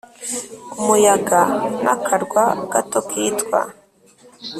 umuyaga n akarwa gato kitwa